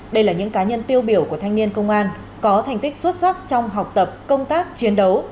đây là những cá nhân tiêu biểu của thanh niên công an có thành tích xuất sắc trong học tập công tác chiến đấu